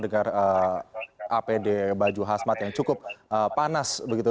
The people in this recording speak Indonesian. dengan apd baju hasmat yang cukup panas begitu